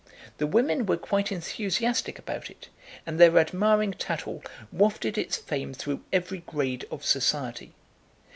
The women were quite enthusiastic about it, and their admiring tattle wafted its fame through every grade of society.